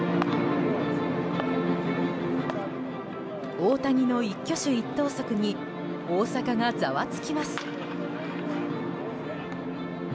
大谷の一挙手一投足に大阪がざわつきます。